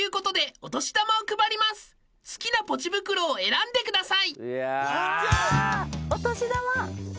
お好きなポチ袋選んでください。